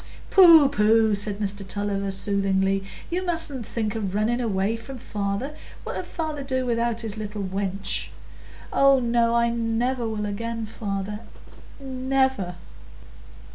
"Pooh, pooh," said Mr Tulliver, soothingly, "you mustn't think o' running away from father. What 'ud father do without his little wench?" "Oh no, I never will again, father—never."